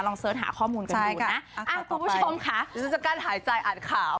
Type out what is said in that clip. ลองเสิร์ชหาข้อมูลกันดูนะคุณผู้ชมค่ะรู้สึกจะกั้นหายใจอัดข่าว